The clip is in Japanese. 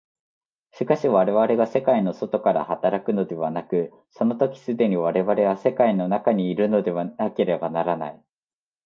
しかし我々が世界の外から働くのではなく、その時既に我々は世界の中にいるのでなければならない。